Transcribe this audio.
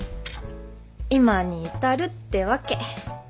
今に至るってわけ。